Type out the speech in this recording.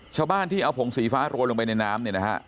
ชาวบ้านที่เอาผงสีฟ้าโรยลงไปในน้ำเนี่ยนะฮะ